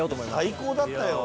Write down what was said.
最高だったよ